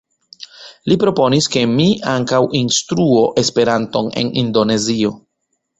Li proponis ke mi ankaŭ instruu Esperanton en Indonezio.